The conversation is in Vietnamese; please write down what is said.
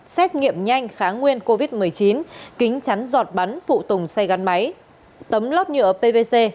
xét nghiệm nhanh kháng nguyên covid một mươi chín kính chắn giọt bắn phụ tùng xe gắn máy tấm lót nhựa pvc